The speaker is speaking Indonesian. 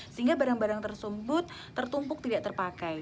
sehingga barang barang tersebut tertumpuk tidak terpakai